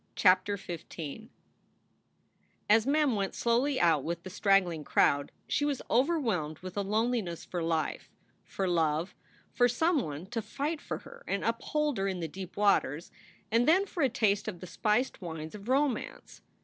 CHAPTER XV AS Mem went slowly out with the straggling crowd she was overwhelmed with a loneliness for life, for love, for some one to fight for her and uphold her in the deep waters; and then for a taste of the spiced wines of romance.